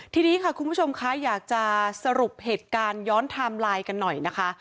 ทีนี้ค่ะคุณผู้ชมคะอยากจะสรุปเหตุการณ์ย้อนไทม์ไลน์กันหน่อยนะคะ